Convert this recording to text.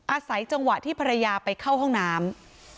อาศัยจังหวะที่ภรรยาไปเข้าห้องน้ำ